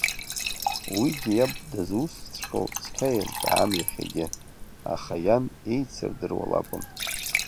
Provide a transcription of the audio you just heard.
Уигьы иаб дызусҭҵәҟьоу цқьа еилкаам иахьагьы, аха иан еицырдыруа лакәын.